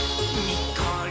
にっこり。